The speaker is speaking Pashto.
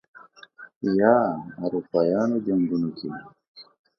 یا اروپايانو جنګونو کې